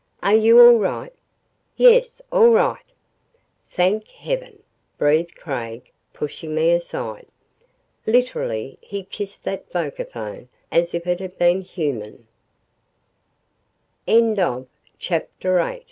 "Are you all right?" "Yes all right." "Thank heaven!" breathed Craig, pushing me aside. Literally he kissed that vocaphone as if it had been